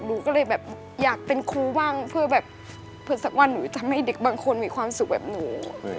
หนูก็เลยอยากเป็นครูว่างเพื่อสักวันหนูทำให้เด็กบางคนมีความสุขแบบหนู